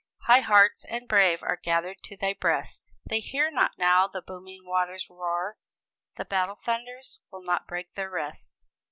High hearts and brave are gathered to thy breast! They hear not now the booming waters roar; The battle thunders will not break their rest.